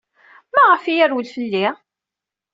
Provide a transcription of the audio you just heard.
Maɣef ay yerwel fell-i?